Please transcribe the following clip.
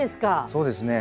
そうですね。